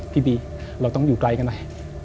พี่บีเราต้องอยู่ไกลกันหน่อย